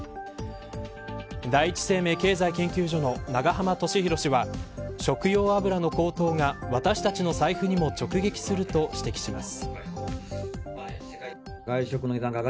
第一生命経済研究所の永濱利廣氏は食用油の高騰が私たちの財布にも直撃すると指摘します。